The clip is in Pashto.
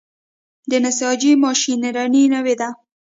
د نساجي ماشینري نوې ده؟